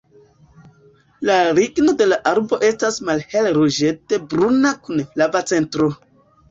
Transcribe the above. La ligno de la arbo estas malhelruĝete bruna kun flava centro.